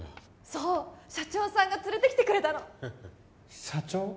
そう社長さんが連れてきてくれたの社長？